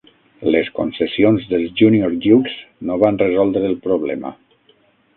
Les concessions dels Junior Dukes no van resoldre el problema.